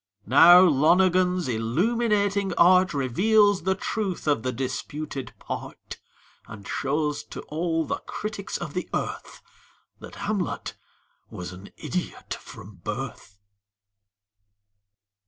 Now, Lonergan's illuminating art Reveals the truth of the disputed "part," And shows to all the critics of the earth That Hamlet was an idiot from birth!